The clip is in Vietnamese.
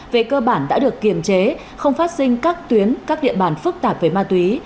về cơ bản đã được kiềm chế không phát sinh các tuyến các địa bàn phức tạp về ma túy